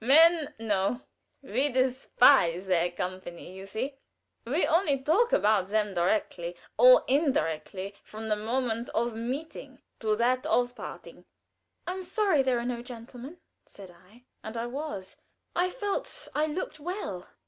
"Men no. We despise their company, you see. We only talk about them directly or indirectly from the moment of meeting to that of parting." "I'm sorry there are no gentlemen," said I, and I was. I felt I looked well.